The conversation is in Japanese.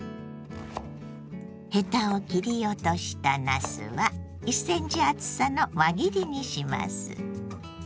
ヘタを切り落としたなすは１ｃｍ厚さの輪切りにします。